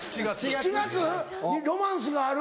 ７月にロマンスがある？